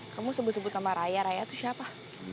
kamu sebut sebut sama raya raya itu siapa